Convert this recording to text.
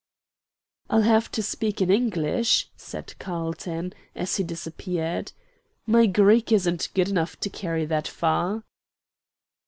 "I'll have to speak in English," said Carlton, as he disappeared; "my Greek isn't good enough to carry that far."